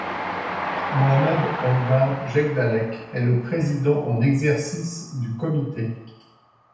Mohammad Anwar Jekdalek est le président en exercice du Comité.